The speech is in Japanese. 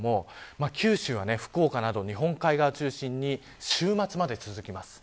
九州は福岡など日本海側を中心に週末まで続きます。